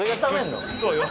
そうよ。